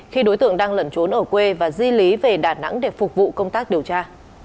khi đối tượng đang lẩn trốn ở quê và di lý về đà nẵng để phục vụ công tác điều tra